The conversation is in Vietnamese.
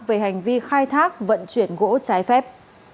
về hành vi khai thác vận chuyển gỗ trái phép